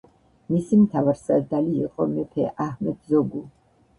მისი მთავარსარდალი იყო მეფე აჰმედ ზოგუ.